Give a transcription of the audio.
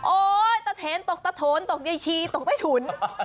โอ้ยตะเทนตกตะโถนตกเย้ยชีตกได้ถุน